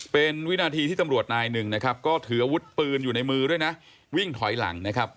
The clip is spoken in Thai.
เป็นวินาทีที่ตำรวจนายหนึ่งนะครับก็ถืออาวุธปืนอยู่ในมือด้วยนะวิ่งถอยหลังนะครับ